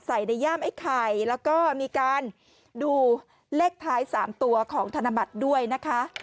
ในย่ามไอ้ไข่แล้วก็มีการดูเลขท้าย๓ตัวของธนบัตรด้วยนะคะ